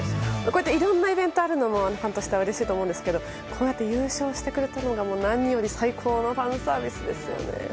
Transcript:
いろんなイベントがあるのもファンとしてはうれしいでしょうけど優勝してくれたのが何よりのファンサービスですよね。